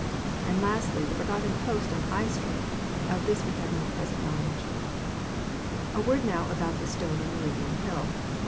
And, lastly, the forgotten post on I street. Of this we have no present knowledge. A word now about the stone on Meridian hill.